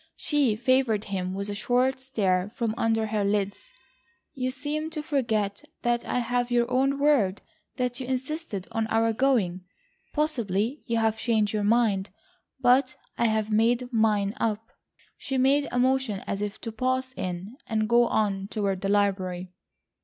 She favoured him with a short stare from under her lids. "You seem to forget that I have your own word that you insisted on our going. Possibly you have changed your mind, but I have made mine up." She made a motion as if to pass in, and go on toward the library.